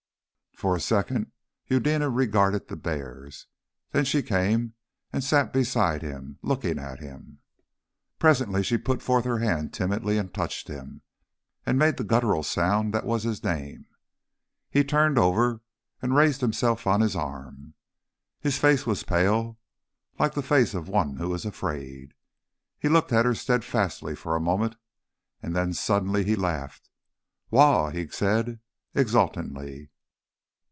For a second Eudena regarded the bears, then she came and sat beside him, looking at him.... Presently she put forth her hand timidly and touched him, and made the guttural sound that was his name. He turned over and raised himself on his arm. His face was pale, like the face of one who is afraid. He looked at her steadfastly for a moment, and then suddenly he laughed. "Waugh!" he said exultantly.